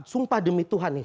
sumpah demi tuhan nih